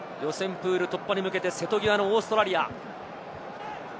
プール突破に向けて瀬戸際のオーストラリア。